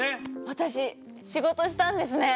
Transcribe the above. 私仕事したんですね。